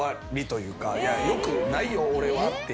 よくないよ俺はっていう。